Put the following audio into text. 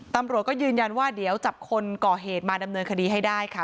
ตำรวจก็ยืนยันว่าเดี๋ยวจับคนก่อเหตุมาดำเนินคดีให้ได้ค่ะ